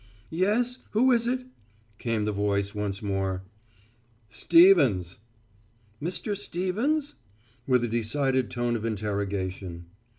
"Yes, who is it!" came the voice once more. "Stevens." "Mr. Stevens?" with a decided tone of interrogation.